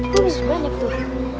lu bisa banyak tuh